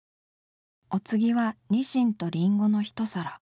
お次はニシンとリンゴの一皿。